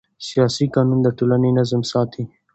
سیاسي قانون د ټولنې نظم ساتي